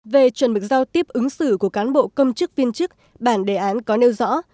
về chuẩn mực giao tiếp ứng xử của cán bộ công chức viên chức bản đề án có nêu rõ